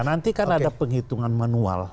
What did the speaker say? nanti kan ada penghitungan manual